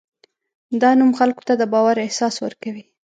دا نوم خلکو ته د باور احساس ورکوي.